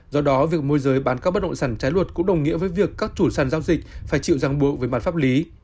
do đó việc môi giới bán các bất động sản trái luật cũng đồng nghĩa với việc các chủ sản giao dịch phải chịu ràng buộc về mặt pháp lý